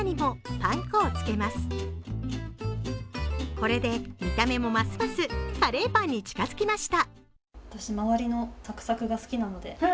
これで見た目もますますカレーパンに近づきました。